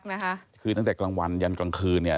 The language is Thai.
คือนักผมตั้งแต่กลางวันยันกลางคืน